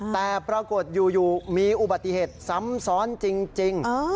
แต่ปรากฏอยู่มีอุบัติเหตุซ้ำซ้อนจริง